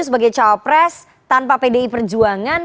sebagai cawapres tanpa pdi perjuangan